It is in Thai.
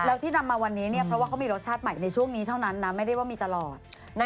แล้วที่นำมาวันนี้เพราะว่าเขามีรสชาติใหม่ในช่วงนี้เท่านั้นนะไม่ได้ว่ามีตลอด